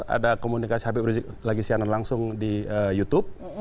ada komunikasi habib rizik lagi siaran langsung di youtube